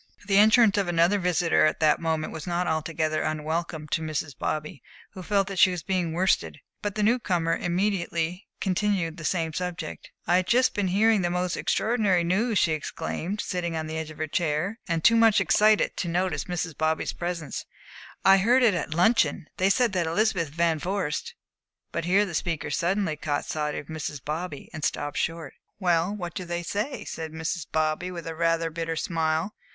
The entrance of another visitor at that moment was not altogether unwelcome to Mrs. Bobby, who felt that she was being worsted; but the new comer immediately continued the same subject. "I've just been hearing the most extraordinary news," she exclaimed, sitting on the edge of her chair, and too much excited to notice Mrs. Bobby's presence, "I heard it at luncheon. They say that Elizabeth Van Vorst" But here the speaker suddenly caught sight of Mrs. Bobby, and stopped short. "Well, what do they say?" said Mrs. Bobby, with rather a bitter smile.